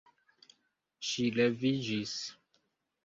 Ŝi leviĝis.